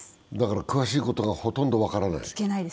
詳しいことがほとんど分からない。